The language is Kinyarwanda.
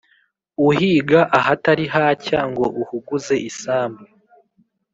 uhiga ahatari hacya ngo uhuguze isambu.